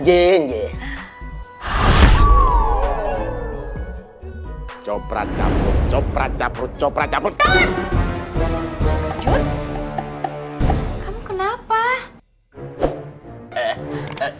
ini makan pak